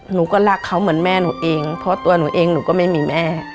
หนูก็รักเขาเหมือนแม่หนูเองเพราะตัวหนูเองหนูก็ไม่มีแม่